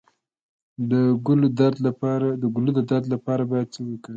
د ګلو درد لپاره باید څه شی وکاروم؟